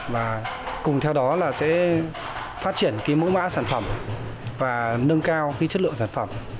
và cùng theo đó là sẽ phát triển mẫu mã sản phẩm và nâng cao chất lượng sản phẩm